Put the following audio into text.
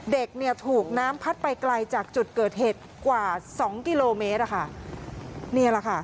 เด็กเนี่ยถูกน้ำพัดไปไกลจากจุดเกิดเหตุกว่าสองกิโลเมตรอะค่ะนี่แหละค่ะ